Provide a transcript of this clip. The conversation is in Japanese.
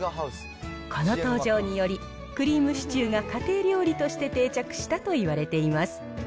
この登場により、クリームシチューが家庭料理として定着したといわれています。